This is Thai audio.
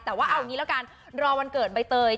แต่ว่าเอางี้แล้วกันรอวันเกิดใบเตย